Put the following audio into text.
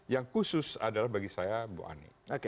yang khusus adalah bagi saya bu ani